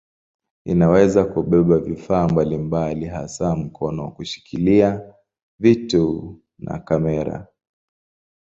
Inaweza kubeba vifaa mbalimbali hasa mkono wa kushikilia vitu na kamera.